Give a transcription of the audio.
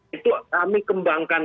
itu kami kembangkan